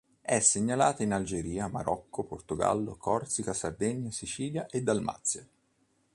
È segnalata in Algeria, Marocco, Portogallo, Corsica, Sardegna, Sicilia e Dalmazia.